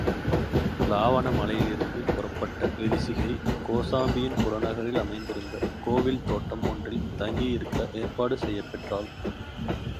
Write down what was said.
இலாவாண மலையிலிருந்து புறப்பட்ட விரிசிகை, கோசாம்பியின் புறநகரில் அமைந்திருந்த கோவில் தோட்டம் ஒன்றில் தங்கியிருக்க ஏற்பாடு செய்யப் பெற்றாள்.